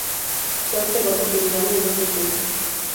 Se ha observado poligamia en esta especie.